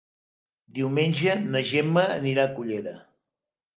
Diumenge na Gemma anirà a Cullera.